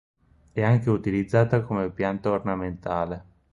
È anche utilizzata come pianta ornamentale.